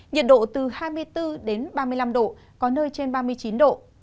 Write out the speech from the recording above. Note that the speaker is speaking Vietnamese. nhiệt độ từ hai mươi bốn đến ba mươi năm độ có nơi trên ba mươi chín độ